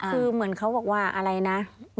คือเหมือนเขาบอกว่าอะไรนะ